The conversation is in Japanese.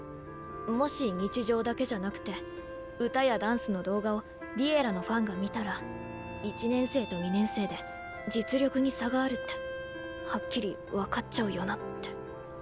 もし日常だけじゃなくて歌やダンスの動画を「Ｌｉｅｌｌａ！」のファンが見たら１年生と２年生で実力に差があるってはっきり分かっちゃうよなって。